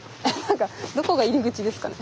どこが入り口ですかね？